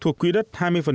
thuộc quy đất hai mươi